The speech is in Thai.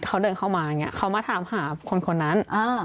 เขาเดินเข้ามาอย่างนี้เขามาถามหาคนคนนั้น